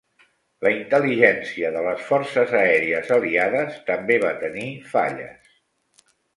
La intel·ligència de les Forces Aèries Aliades també va tenir falles.